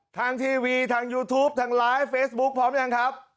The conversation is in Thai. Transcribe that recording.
ทางทีวีทางยูทูปทางไลฟ์เฟซบุ๊คพร้อมยังครับ